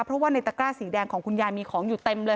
เพราะว่าในตะกร้าสีแดงของคุณยายมีของอยู่เต็มเลย